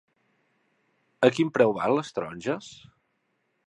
A quin preu van les taronges?